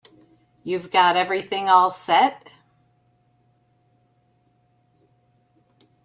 You've got everything all set?